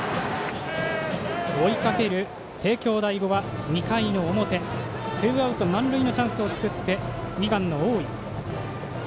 追いかける帝京第五は２回の表、ツーアウト満塁のチャンスを作って２番の大井。